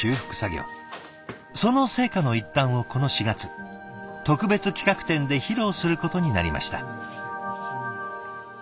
その成果の一端をこの４月特別企画展で披露することになりました。